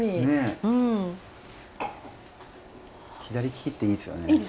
左利きっていいですよね。